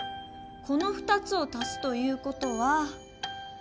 この２つをたすということは。